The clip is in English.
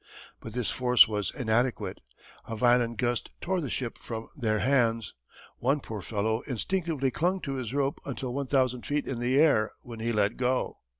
But this force was inadequate. A violent gust tore the ship from their hands. One poor fellow instinctively clung to his rope until one thousand feet in the air when he let go.